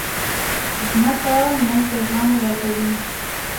مځکه موږ ته ژوند راکوي.